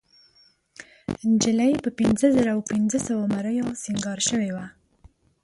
نجلۍ په پينځهزرهپینځهسوو مریو سینګار شوې وه.